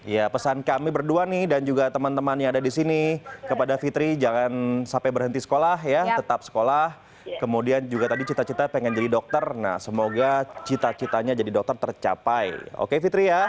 ya pesan kami berdua nih dan juga teman teman yang ada di sini kepada fitri jangan sampai berhenti sekolah ya tetap sekolah kemudian juga tadi cita cita pengen jadi dokter nah semoga cita citanya jadi dokter tercapai oke fitri ya